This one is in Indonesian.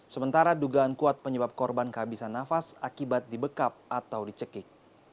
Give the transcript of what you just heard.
sementara dugaan kuat penyebab korban kehabisan nafas akibat dibekap atau dicekik